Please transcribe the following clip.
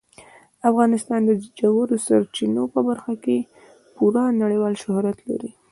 افغانستان د ژورو سرچینو په برخه کې پوره نړیوال شهرت لري.